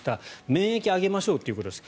免疫を上げましょうということです。